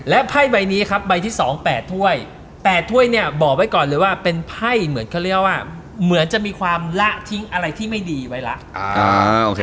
และใบไว้นี้ครับใบที่สอง๘ท่วย๙ท่วยเนี่ยบอกไว้ก่อนเลยว่าเป็นไผ้มาเขาเรียกว่าจำมีความละทิ้งอะไรที่ไม่ดีไว้แล้ว